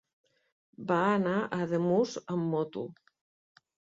Va anar a Ademús amb moto.